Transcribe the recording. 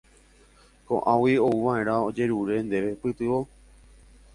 Ko'águi ouva'erã ojerure ndéve pytyvõ.